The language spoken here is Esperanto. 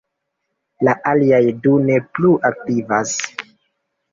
La aliaj du ne plu aktivas.